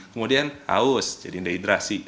kemudian haus jadi tidak hidrasi